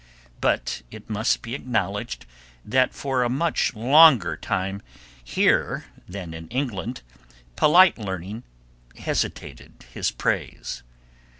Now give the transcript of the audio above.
But it must be acknowledged that for a much longer time here than in England polite learning hesitated his praise.